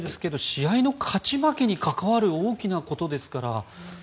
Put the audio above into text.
試合の勝ち負けに関わる大きなことですから。